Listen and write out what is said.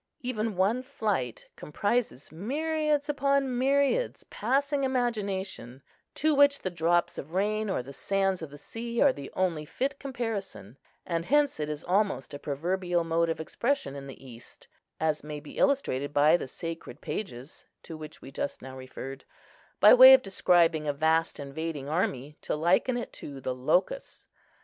Even one flight comprises myriads upon myriads passing imagination, to which the drops of rain or the sands of the sea are the only fit comparison; and hence it is almost a proverbial mode of expression in the East (as may be illustrated by the sacred pages to which we just now referred), by way of describing a vast invading army, to liken it to the locusts.